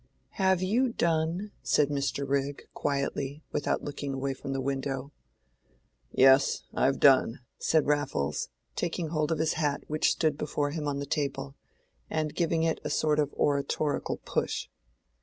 "Have you done?" said Mr. Rigg, quietly, without looking away from the window. "Yes, I've done," said Raffles, taking hold of his hat which stood before him on the table, and giving it a sort of oratorical push.